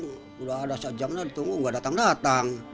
sudah ada sejamnya ditunggu nggak datang datang